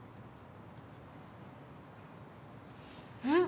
うん。